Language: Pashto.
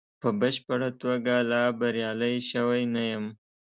په بشپړه توګه لا بریالی شوی نه یم.